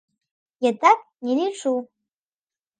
Я так не лічу.